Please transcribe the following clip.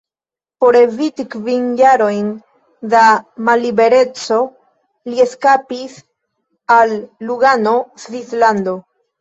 Por eviti kvin jarojn da mallibereco, li eskapis al Lugano, Svislando.